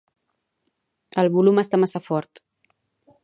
El volum està massa fort.